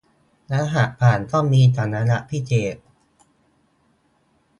รหัสผ่านต้องมีสัญลักษณ์พิเศษ